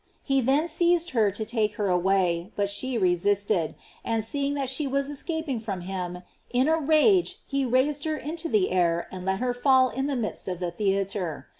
He then seized her to take her away, but she resisted, and seeing that she was escaping from him, in a rage he raised her into the air and let her fall in the midst of the theatre.